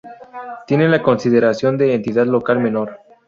Tiene la consideración de Entidad Local Menor.